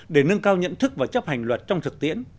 để nâng cao nhận thức và chấp hành luật trong thực tiễn